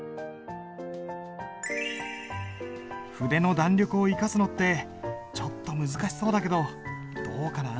筆の弾力を生かすのってちょっと難しそうだけどどうかな？